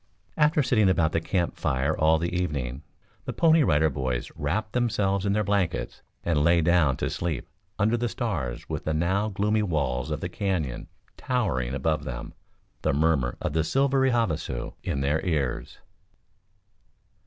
After sitting about the camp fire all the evening, the Pony Rider Boys wrapped themselves in their blankets and lay down to sleep under the stars with the now gloomy walls of the Canyon towering above them, the murmur of the silvery Havasu in their ears.